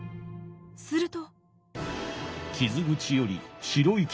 すると。